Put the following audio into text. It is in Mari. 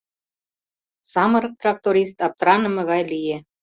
Самырык тракторист аптраныме гае лие.